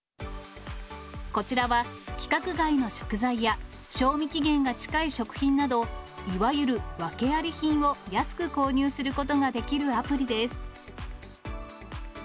こちらは、規格外の食材や賞味期限が近い食品など、いわゆる訳あり品を安く購入することができるアプリです。